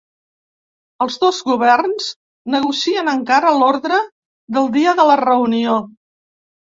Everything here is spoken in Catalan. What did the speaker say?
Els dos governs negocien encara l’ordre del dia de la reunió.